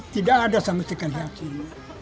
tidak ada sementara kelihatannya